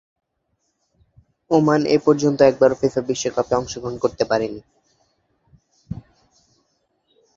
Oman এপর্যন্ত একবারও FIFA বিশ্বকাপে অংশগ্রহণ করতে পারেনি।